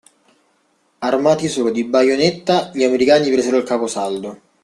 Armati solo di baionetta gli americani presero il caposaldo.